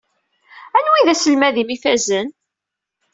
Anwa i d aselmad-im ifazen?